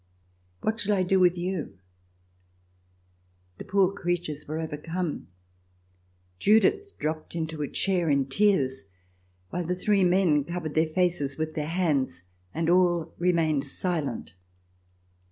What shall I do with you ?" The poor creatures were overcome. Judith dropped into a chair, in tears, while the three men covered their faces with their hands, and all remained silent.